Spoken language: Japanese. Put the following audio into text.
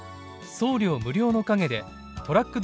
「“送料無料”の陰でトラック